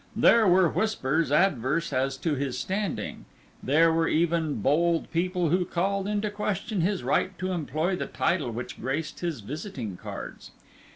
There were whispers adverse as to his standing; there were even bold people who called into question his right to employ the title which graced his visiting cards.